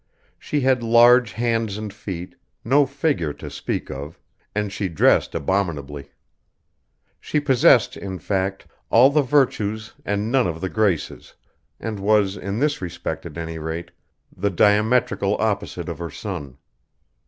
She had large hands and feet, no figure to speak of, and she dressed abominably. She possessed in fact, all the virtues and none of the graces, and was, in this respect at any rate, the diametrical opposite of her son.